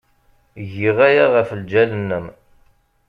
Giɣ aya ɣef lǧal-nnem.